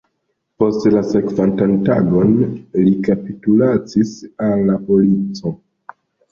La sekvantan tagon li kapitulacis al la polico.